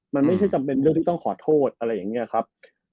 มันไม่ใช่จำเป็นเรื่องที่ต้องขอโทษอะไรอย่างนี้ครับ